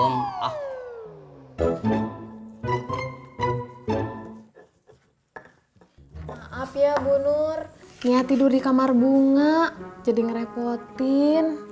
maaf ya bu nur ya tidur di kamar bunga jadi ngerepotin